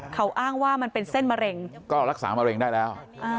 เขาอ้างว่ามันเป็นเส้นมะเร็งก็รักษามะเร็งได้แล้ว